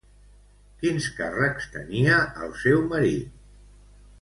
Quins càrrecs tenia el seu marit?